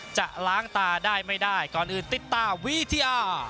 จะล้างตาได้ไม่ได้ก่อนอื่นติดตาวิทยา